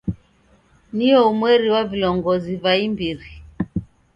Nio umweri wa vilongozi va imbiri.